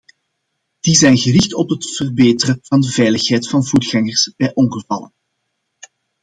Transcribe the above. Die zijn gericht op het verbeteren van de veiligheid van voetgangers bij ongevallen.